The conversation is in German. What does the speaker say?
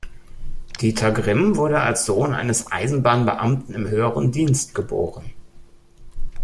Dieter Grimm wurde als Sohn eines Eisenbahnbeamten im höheren Dienst geboren.